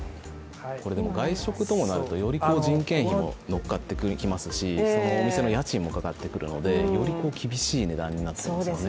これ外食ともなるとより人件費も乗っかってきますしお店の家賃もかかってくるのでより厳しい値段になってくるんですよね。